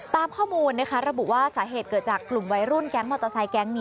ตามข้อมูลนะคะระบุว่าสาเหตุเกิดจากกลุ่มวัยรุ่นแก๊งมอเตอร์ไซแก๊งนี้